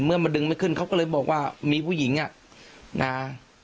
มาดึงไม่ขึ้นเขาก็เลยบอกว่ามีผู้หญิงอ่ะนะ